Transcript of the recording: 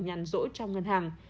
nhận rỗi trong ngân hàng